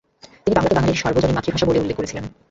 তিনি বাংলাকে বাঙালিদের সার্বজনীন মাতৃভাষা বলে উল্লেখ করেছিলেন।